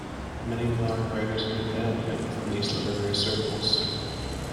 Many modern writers in Japan came from these literary circles.